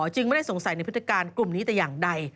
จึงไม่ได้สงสัยในพฤติการกลุ่มนี้แต่อย่างใด